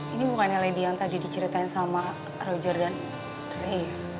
ini bukannya lady yang tadi diceritain sama roger dan ray